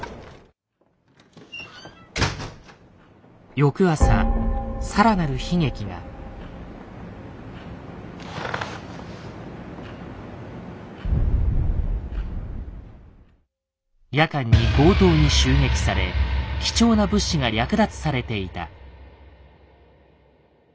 翌朝夜間に強盗に襲撃され貴重な物資が略奪されていた。